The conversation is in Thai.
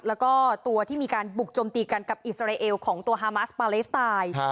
แล้วก็ตัวที่มีการบุกจมตีกันกับอิสราเอลของตัวฮามาสปาเลสไตน์